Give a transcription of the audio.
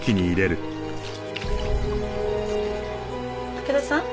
武田さん？